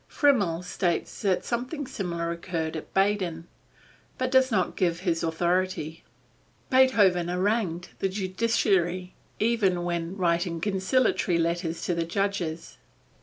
Frimmel states that something similar occurred at Baden, but does not give his authority. Beethoven arraigned the Judiciary, even when writing conciliatory letters to the judges.